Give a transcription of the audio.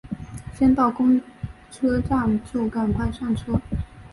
先到公车站就赶快上车